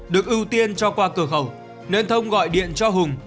được ưu tiên cho qua cửa khẩu nên thông gọi điện cho hùng